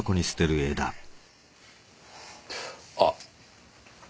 あっ。